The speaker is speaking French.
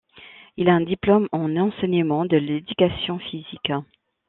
Il a un diplôme en enseignement de l'éducation physique.